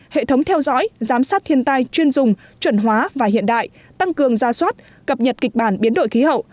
hệ thống theo dõi giám sát thiên tai chuyên dùng chuẩn hóa và hiện đại tăng cường gia soát cập nhật kịch bản biến đổi khí hậu